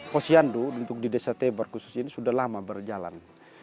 posyandu untuk di desa tebar khususnya ini sudah lama berjalan